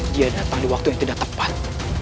dia datang di waktu yang tidak tepat